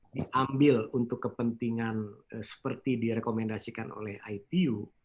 diambil untuk kepentingan seperti direkomendasikan oleh itu